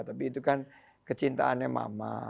tapi itu kan kecintaannya mama